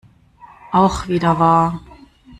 Auch wieder wahr.